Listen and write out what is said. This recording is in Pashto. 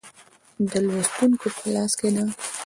د لوستونکو په لاس کې ده.